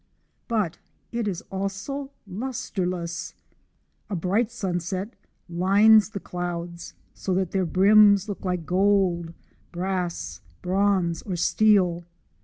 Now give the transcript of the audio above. But it is also lustreless. A bright sunset lines the clouds so that their brims look like gold, brass, bronze, or steel.